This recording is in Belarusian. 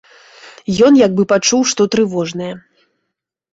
Ён як бы пачуў што трывожнае.